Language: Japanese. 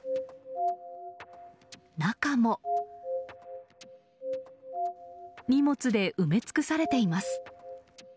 中も荷物で埋め尽くされています。